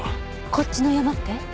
こっちのヤマって？